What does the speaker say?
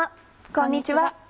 こんにちは。